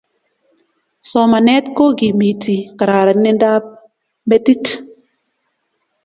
Somanet kokimiti kararanindap metit